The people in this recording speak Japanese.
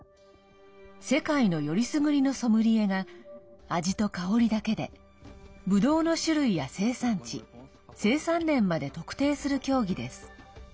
世界のよりすぐりのソムリエが味と香りだけでぶどうの種類や生産地生産年まで特定する競技です。